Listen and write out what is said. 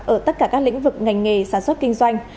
ở tất cả các lĩnh vực ngành nghề sản xuất kinh doanh